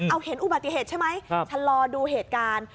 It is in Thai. เอาเห็นอุบัติเหตุใช่ไหมชะลอดูเหตุการณ์